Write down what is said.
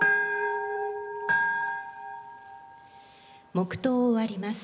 黙祷を終わります。